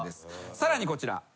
さらにこちら。